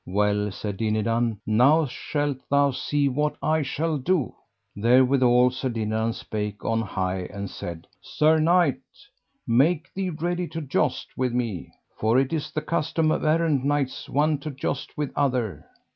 Well, said Dinadan, now shalt thou see what I shall do. Therewithal Sir Dinadan spake on high and said: Sir knight, make thee ready to joust with me, for it is the custom of errant knights one to joust with other.